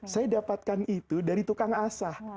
saya dapatkan itu dari tukang asah